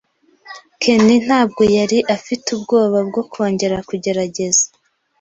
Ken ntabwo yari afite ubwoba bwo kongera kugerageza.